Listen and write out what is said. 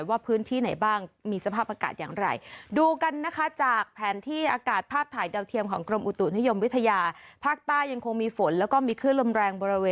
กลายอาจไทยนะคะ